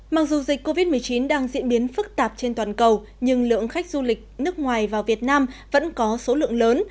mặc dù dịch covid một mươi chín đang diễn biến phức tạp trên toàn cầu nhưng lượng khách du lịch nước ngoài vào việt nam vẫn có số lượng lớn